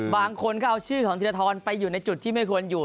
บางคนก็เอาชื่อของธีรทรไปอยู่ในจุดที่ไม่ควรอยู่